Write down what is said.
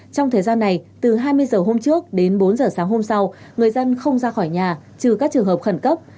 trong thời gian này từ hai mươi h hôm trước đến bốn h sáng hôm sau người dân không ra khỏi nhà trừ các trường hợp khẩn cấp